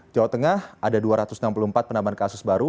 jawa tengah ada dua ratus enam puluh empat penambahan kasus baru